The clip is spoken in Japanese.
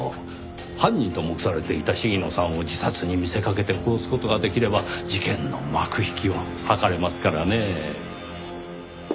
犯人と目されていた鴫野さんを自殺に見せかけて殺す事ができれば事件の幕引きを図れますからねぇ。